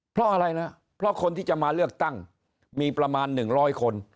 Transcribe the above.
เพราะอะไรนะเพราะคนที่จะมาเลือกตั้งมีประมาณ๑๐๐คน